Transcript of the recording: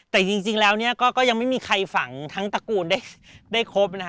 แต่จริงแล้วเนี่ยก็ยังไม่มีใครฝังทั้งตระกูลได้ครบนะฮะ